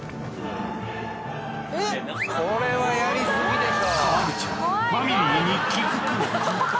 これはやりすぎでしょ